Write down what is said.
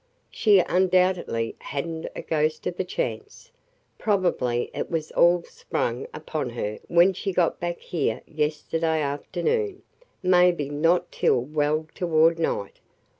"She undoubtedly had n't a ghost of a chance. Probably it was all sprung upon her when she got back here yesterday afternoon, maybe not till well toward night.